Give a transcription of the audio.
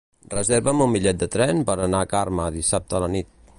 Reserva'm un bitllet de tren per anar a Carme dissabte a la nit.